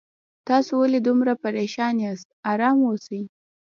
تاسو ولې دومره پریشان یاست آرام اوسئ